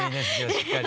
しっかり。